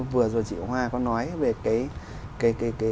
vừa rồi chị hoa có nói về cái